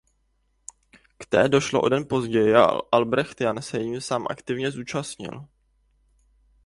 K té došlo o den později a Albrecht Jan se jí sám aktivně zúčastnil.